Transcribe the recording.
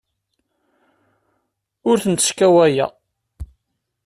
Ur tent-sskawayeɣ.